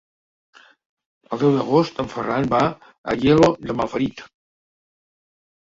El deu d'agost en Ferran va a Aielo de Malferit.